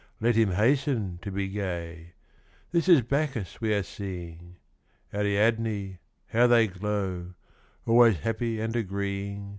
Let him hasten to be gay ! This is Bacchus we are seeing, Ariadne — ^how they glow I Always happy and agreeing.